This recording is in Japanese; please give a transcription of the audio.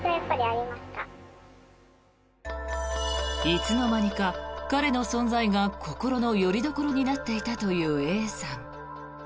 いつの間にか彼の存在が心のよりどころになっていたというＡさん。